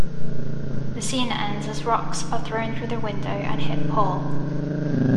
The scene ends as rocks are thrown through the window and hit Paul.